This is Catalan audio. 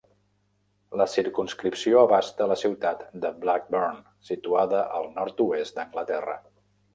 La circumscripció abasta la ciutat de Blackburn situada al nord-oest d'Anglaterra.